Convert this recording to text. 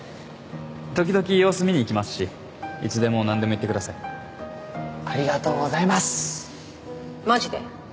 時々様子見にいきますしいつでもなんでも言ってくださいありがとうございますマジで？